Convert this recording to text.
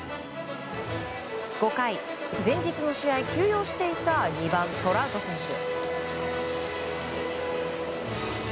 ５回、前日の試合休養していた２番、トラウト選手。